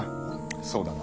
そうだな。